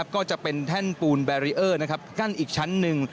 ก็จะเป็นแท่นปูนแบรีเออร์กั้นอีกชั้นหนึ่ง